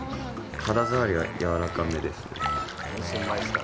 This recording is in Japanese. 肌触りはやわらかめですね。